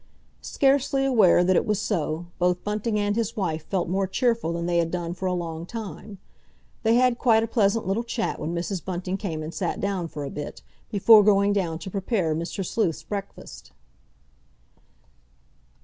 Scarcely aware that it was so, both Bunting and his wife felt more cheerful than they had done for a long time. They had quite a pleasant little chat when Mrs. Bunting came and sat down for a bit, before going down to prepare Mr. Sleuth's breakfast.